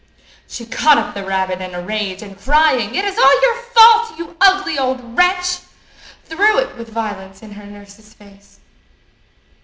She caught up the rabbit in a rage, and, crying, "It is all your fault, you ugly old wretch!" threw it with violence in her nurse's face.